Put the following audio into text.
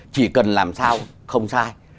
chỉ cần làm sao không sai